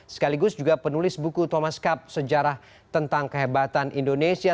sekaligus juga penulis buku thomas cup sejarah tentang kehebatan indonesia